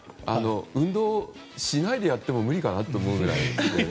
運動しないでやっても無理かなと思うぐらいだよね。